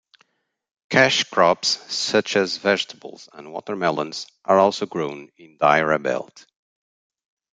Cash crops such as vegetables and watermelons are also grown in Diara belt.